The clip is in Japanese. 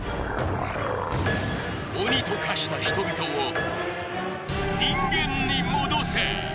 鬼と化した人々を人間に戻せ！